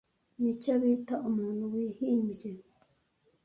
Nicyo bita umuntu wihimbye.